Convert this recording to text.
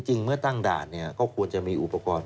เมื่อตั้งด่านเนี่ยก็ควรจะมีอุปกรณ์